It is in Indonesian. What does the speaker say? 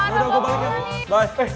udah gue balik ya